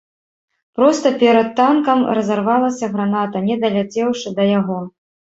Проста перад танкам разарвалася граната, не даляцеўшы да яго.